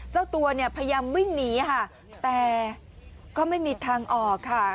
เจ้าตัวเนี่ยพยายามวิ่งหนีค่ะแต่ก็ไม่มีทางออกค่ะ